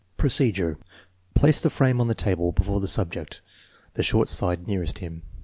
Procedure. Place the frame on the table before the sub ject, the short side nearest him.